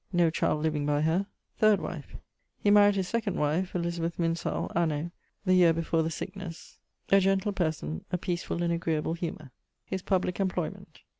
No child living by her. <_Third wife._> He maried his second wife, Elizabeth Minshull, anno ... (the year before the sicknesse): a gent. person, a peacefull and agreable humour. <_His public employment.